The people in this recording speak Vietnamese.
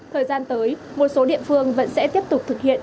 thời gian tới một số địa phương vẫn sẽ tiếp tục thực hiện